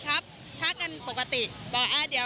วันที่สุดท้ายก็จะมาเกิดเหตุการณ์แบบนี้